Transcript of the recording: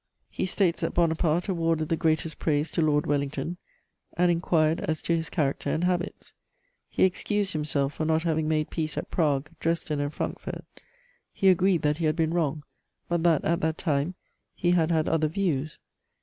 He states that Bonaparte awarded the greatest praise to Lord Wellington and inquired as to his character and habits. He excused himself for not having made peace at Prague, Dresden and Frankfort; he agreed that he had been wrong, but that at that time he had had other views.